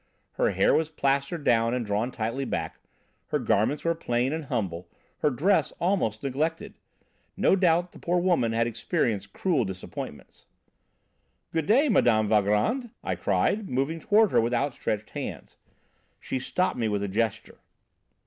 Her hair was plastered down and drawn tightly back, her garments were plain and humble, her dress almost neglected. No doubt the poor woman had experienced cruel disappointments. "'Good day, Mme. Valgrand,' I cried, moving toward her with outstretched hands. She stopped me with a gesture.